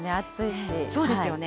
そうですよね。